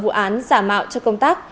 vụ án giả mạo cho công tác